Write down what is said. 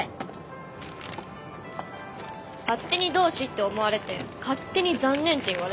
勝手に同志って思われて勝手に残念って言われても。